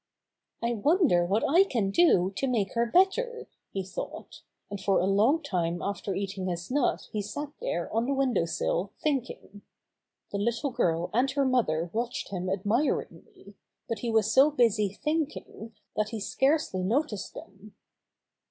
"I wonder what I can do to make her bet ter," he thought, and for a long time after eat ing his nut he sat there on the window sill thinking. The little girl and her mother watched him admiringly, but he was so busy thinking that he scarcely noticed them.